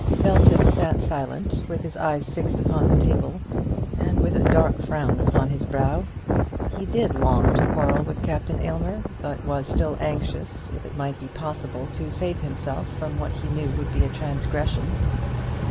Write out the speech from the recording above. Belton sat silent, with his eyes fixed upon the table, and with a dark frown upon his brow. He did long to quarrel with Captain Aylmer; but was still anxious, if it might be possible, to save himself from what he knew would be a transgression.